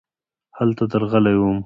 هلته درغلی وم .